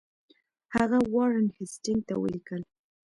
هغه وارن هیسټینګ ته ولیکل.